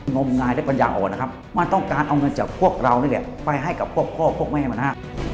น้องไงได้ปัญญาก่อนนะครับมันต้องการเอาเงินจากพวกเรานักฐานไปให้กับพ่อพ่อพ่อแม่มาฮะ